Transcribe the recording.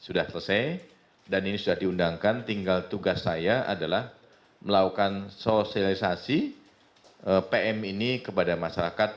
sudah selesai dan ini sudah diundangkan tinggal tugas saya adalah melakukan sosialisasi pm ini kepada masyarakat